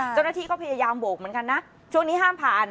เจ้าหน้าที่ก็พยายามโบกเหมือนกันนะช่วงนี้ห้ามผ่าน